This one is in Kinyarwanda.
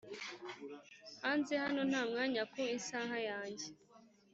hanze hano nta mwanya ku isaha yanjye.